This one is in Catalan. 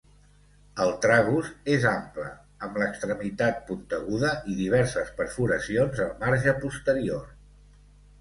El tragus és ample, amb l'extremitat punteguda i diverses perforacions al marge posterior.